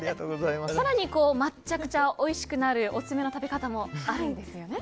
更にまっちゃくちゃおいしくなるオススメの食べ方もあるんですよね。